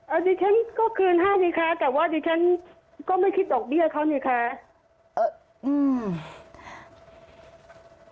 อันนี้ฉันก็คืนให้สิคะแต่ว่าดิฉันก็ไม่คิดดอกเบี้ยเขานี่ค่ะเอออืม